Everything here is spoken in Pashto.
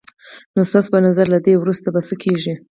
نو ستا په نظر له دې څخه وروسته به څه کېږي؟